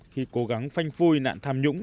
khi cố gắng phanh phui nạn tham nhũng